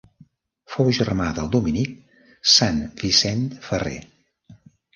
Fou germà del dominic Sant Vicent Ferrer.